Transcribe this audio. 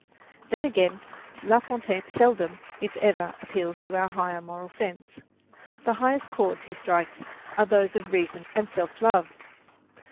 Then, again, La Fontaine seldom, if ever, appeals to our highest moral sense. The highest chords he strikes are those of reason and self love.